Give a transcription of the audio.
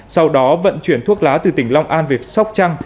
sau đó vận chuyển thuốc lá từ tỉnh long an về sóc trăng